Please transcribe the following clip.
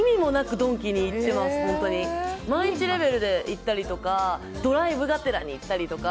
毎日レベルで行ったりとかドライブがてらに行ったりとか。